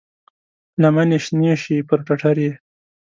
لمنې شنې شي پر ټټر یې،